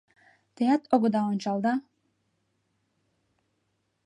Теат огыда ончал да